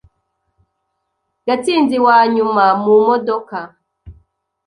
Gatsinzi wanyuma mu modoka.